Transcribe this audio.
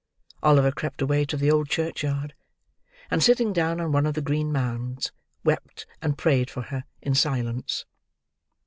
Oliver crept away to the old churchyard, and sitting down on one of the green mounds, wept and prayed for her, in silence.